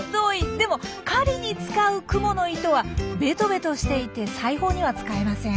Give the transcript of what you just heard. でも狩りに使うクモの糸はベトベトしていて裁縫には使えません。